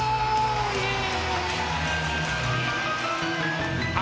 イエイ！